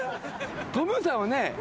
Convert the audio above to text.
トムーさんはね